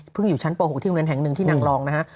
อยู่ชั้นป๖ที่โรงเรียนแห่งหนึ่งที่นางรองนะฮะ